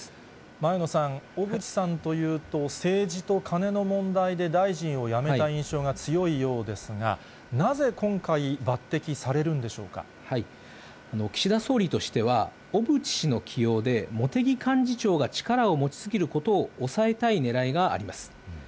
前野さん、小渕さんというと、政治とカネの問題で大臣を辞めた印象が強いようですが、なぜ今回、岸田総理としては、小渕氏の起用で茂木幹事長が力を持ち過ぎることを抑えたいねらいがあります。